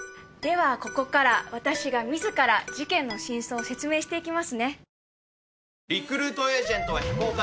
ではここから私が自ら事件の真相を説明していきますね。